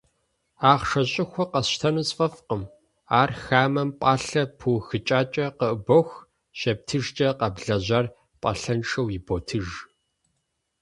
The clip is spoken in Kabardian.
Ахъшэ щӏыхуэ къэсщтэну сфӏэфӏкъым: ар хамэм пӏалъэ пыухыкӏакӏэ къыӏыбох, щептыжкӏэ - къэблэжьар пӏалъэншэу иботыж.